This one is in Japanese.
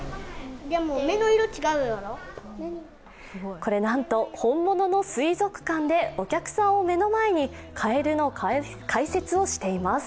これなんと本物の水族館でお客さんを目の前に、かえるの解説をしています。